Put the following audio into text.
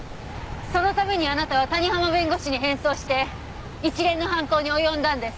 そのためにあなたは谷浜弁護士に変装して一連の犯行に及んだんです。